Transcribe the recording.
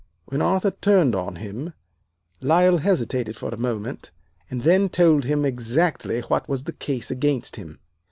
"When Arthur turned on him Lyle hesitated for a moment, and then told him exactly what was the case against him.